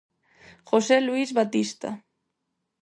José Luís Batista.